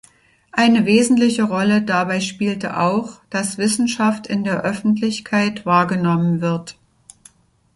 Eine wesentliche Rolle dabei spielte auch, dass Wissenschaft in der Öffentlichkeit wahrgenommen wird.